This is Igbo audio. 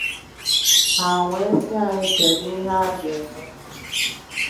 Ha wee sị anyị kedụ ihe a ga-eme